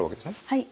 はい。